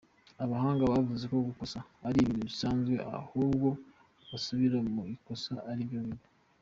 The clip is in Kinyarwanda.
Abahanga bavuga ko gukosa ari ibintu bisanzwe ahubwo gusubira mu ikosa aribyo bibi.